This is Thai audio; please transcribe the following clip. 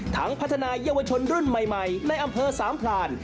ทั้งพัฒนายเยาวชนรุ่นใหม่ในอำเภอสามพลาณ